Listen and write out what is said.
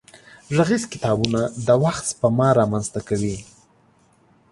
غږيز کتابونه د وخت سپما را منځ ته کوي.